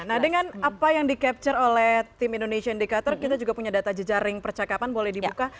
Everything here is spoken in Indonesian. nah dengan apa yang di capture oleh tim indonesia indicator kita juga punya data jejaring percakapan boleh dibuka